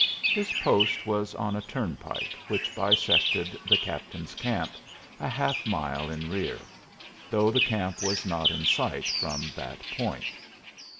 This post was on a turnpike which bisected the captain's camp, a half mile in rear, though the camp was not in sight from that point.